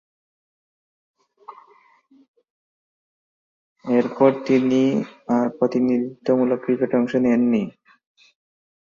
এরপর তিনি আর প্রতিনিধিত্বমূলক ক্রিকেটে অংশ নেননি।